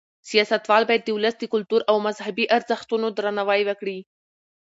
سیاستوال باید د ولس د کلتور او مذهبي ارزښتونو درناوی وکړي.